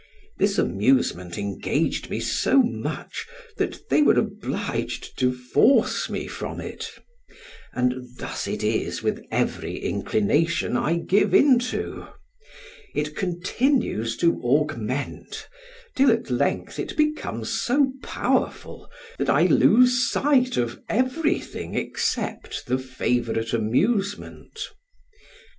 This amusement engaged me so much that they were obliged to force me from it; and thus it is with every inclination I give into, it continues to augment, till at length it becomes so powerful, that I lose sight of everything except the favorite amusement.